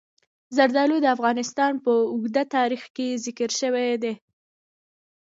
زردالو د افغانستان په اوږده تاریخ کې ذکر شوی دی.